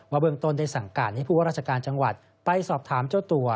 เบื้องต้นได้สั่งการให้ผู้ว่าราชการจังหวัดไปสอบถามเจ้าตัว